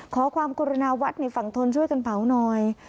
ขอความกรุณาวัดในฝั่งทนช่วยกันเผาหน่อย